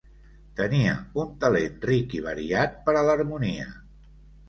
Tenia un talent ric i variat per a l'harmonia.